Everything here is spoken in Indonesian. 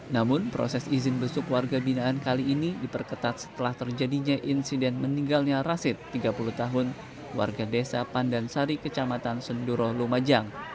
namun proses izin besuk warga binaan kali ini diperketat setelah terjadinya insiden meninggalnya rasid tiga puluh tahun warga desa pandansari kecamatan senduro lumajang